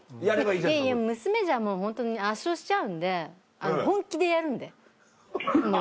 いやいや娘じゃホントに圧勝しちゃうんで本気でやるんでもう。